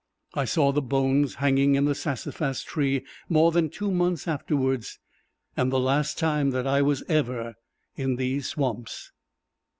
I saw the bones hanging in the sassafras tree more than two months afterwards, and the last time that I was ever in these swamps.